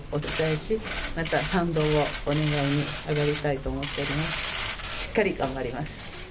しっかり頑張ります。